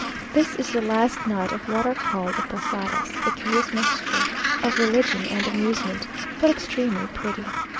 This is the last night of what are called the Posadas, a curious mixture of religion and amusement, but extremely pretty.